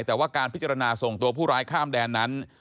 แต่ว่าการพิจารณาส่งตัวผู้ร้ายข้ามแดนนั้น